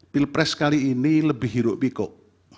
pilpres kali ini lebih hiruk pikuk